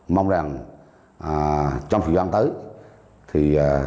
mong rằng trong thời gian tới